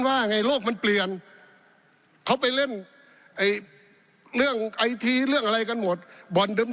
ว่าไงโลกมันเปลี่ยนเขาไปเล่นไอ้เรื่องไอทีเรื่องอะไรกันหมดบ่อนเดิม